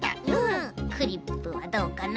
クリップはどうかな？